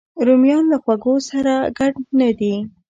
رومیان له خوږو سره ګډ نه دي